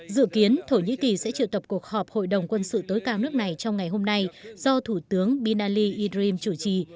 dự kiến thổ nhĩ kỳ sẽ triệu tập cuộc họp hội đồng quân sự tối cao nước này trong ngày hôm nay do thủ tướng binali idrim chủ trì